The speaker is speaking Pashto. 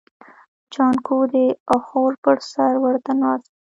جانکو د اخور پر سر ورته ناست و.